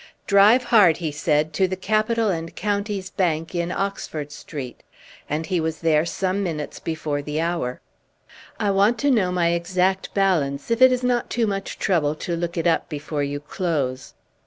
"Drive hard," he said, "to the Capital and Counties Bank in Oxford Street." And he was there some minutes before the hour. "I want to know my exact balance, if it is not too much trouble to look it up before you close."